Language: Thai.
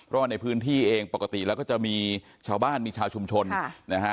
เพราะว่าในพื้นที่เองปกติแล้วก็จะมีชาวบ้านมีชาวชุมชนนะฮะ